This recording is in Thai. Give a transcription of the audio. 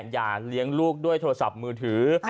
อย่าเลี้ยงลูกด้วยโทรศัพท์มือถือ